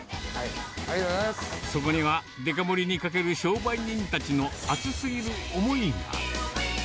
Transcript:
そこには、デカ盛りにかける商売人たちの熱すぎる思いが。